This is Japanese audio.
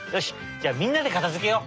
じゃあみんなでかたづけよう！